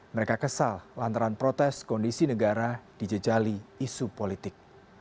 mereka kesal lantaran protes kondisi negara dijejali isu politik